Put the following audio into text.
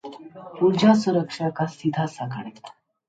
ऊर्जा सुरक्षा का सीधा-सा गणित